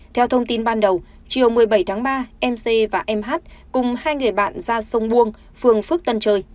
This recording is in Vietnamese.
theo thông tin ban đầu chiều một mươi bảy tháng ba mc và em hát cùng hai người bạn ra sông buông phường phước tân chơi